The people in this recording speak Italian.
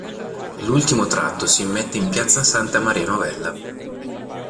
L'ultimo tratto si immette in piazza Santa Maria Novella.